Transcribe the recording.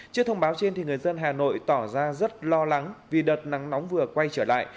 trước thông báo trên thì người dân hà nội tỏ ra rất lo lắng vì đợt nắng nóng vừa quay trở lại